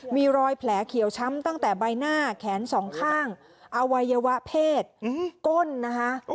มีรอยแผลเขียวช้ำตั้งแต่ใบหน้าแขนสองข้างอวัยวะเพศก้นนะคะ